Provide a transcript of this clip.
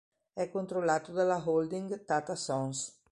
È controllato dalla holding Tata Sons.